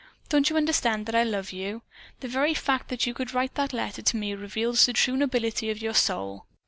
Don't you understand that I love you? The very fact that you could write that letter to me reveals the true nobility of your soul.